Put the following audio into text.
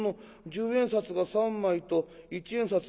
十円札が３枚と一円札が２枚？